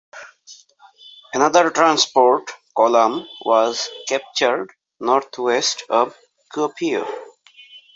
Another transport column was captured northwest of Kuopio.